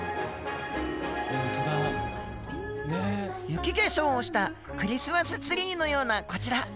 雪化粧をしたクリスマスツリーのようなこちら。